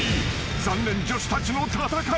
［残念女子たちの戦い］